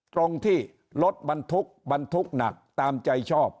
ตรงที่รถบรรทุกบรรทุกหนักตามใจชอบ